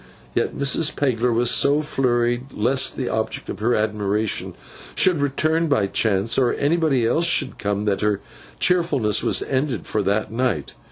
Yet Mrs. Pegler was so flurried lest the object of her admiration should return by chance, or anybody else should come, that her cheerfulness was ended for that night.